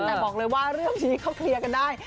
แต่บอกเลยว่าเรื่องนี้เขาเคลียร์กันได้